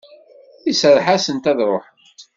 Iserreḥ-asent ad ruḥent.